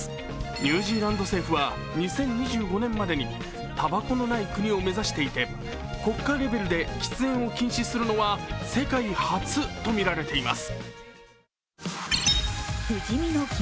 ニュージーランド政府は２０２５年までにたばこのない国を目指していて国家レベルで喫煙を禁止するのはた世界初とみられています。